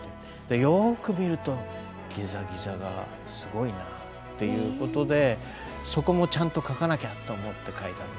よく見るとギザギザがすごいなあっていうことでそこもちゃんと描かなきゃと思って描いたんでしょうね。